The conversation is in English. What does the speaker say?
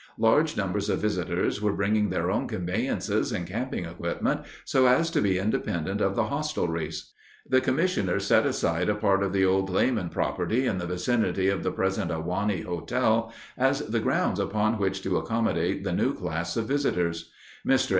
Large numbers of visitors were bringing their own conveyances and camping equipment so as to be independent of the hostelries. The commissioners set aside a part of the old Lamon property in the vicinity of the present Ahwahnee Hotel as the grounds upon which to accommodate the new class of visitors. Mr.